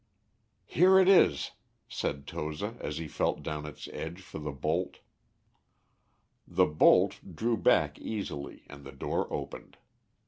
"Here it is," said Toza, as he felt down its edge for the bolt. The bolt drew back easily, and the door opened.